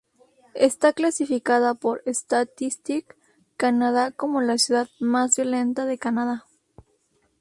Está clasificada por Statistics Canada como la ciudad más violenta de Canadá.